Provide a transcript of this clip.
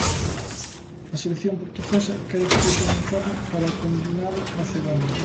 A selección portuguesa quere que sexa un inferno para o combinado macedonio.